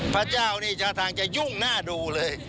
พระเจ้านี่เจ้าทางจะยุ่งหน้าดูเลย